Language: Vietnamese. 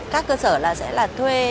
các cơ sở là sẽ là